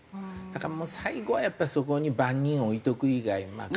だからもう最後はやっぱりそこに番人を置いとく以外。